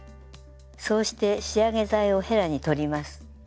そうして仕上げ剤をへらに取ります。